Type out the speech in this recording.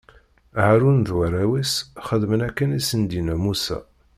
Haṛun d warraw-is xedmen akken i sen-d-inna Musa.